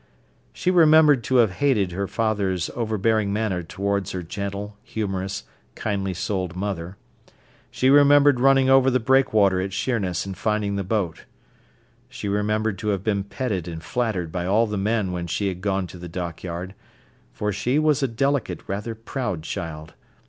She remembered to have hated her father's overbearing manner towards her gentle, humorous, kindly souled mother. She remembered running over the breakwater at Sheerness and finding the boat. She remembered to have been petted and flattered by all the men when she had gone to the dockyard, for she was a delicate, rather proud child.